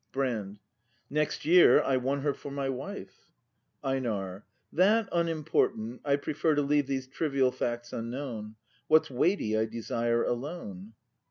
Brand. Next year I won her for my wife. EiNAR. That unimportant, I prefer To leave these trivial facts unknown. What's weighty I desire alone.